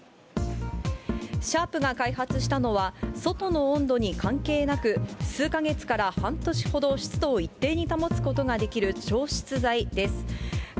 シャープが開発したのは、外の温度に関係なく、数か月から半年ほど湿度を一定に保つことができる調湿材です。